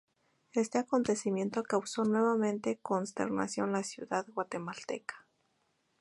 Este acontecimiento causó nuevamente consternación en la ciudad guatemalteca.